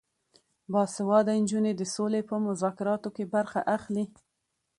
باسواده نجونې د سولې په مذاکراتو کې برخه اخلي.